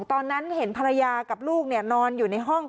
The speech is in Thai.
ตอนนั้นเห็นภรรยากับลูกนอนอยู่ในห้อง